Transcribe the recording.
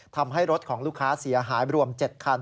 ทำให้รถของลูกค้าเสียหายรวม๗คัน